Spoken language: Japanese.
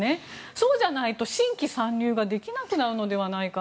そうじゃないと新規参入ができなくなると。